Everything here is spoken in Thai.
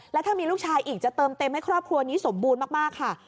และถ้ามีลูกชายอีกจะเติมเต็มให้ครอบครัวนี้สมบูรณ์มากค่ะ